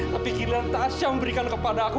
tapi kilat asyam berikan kepada aku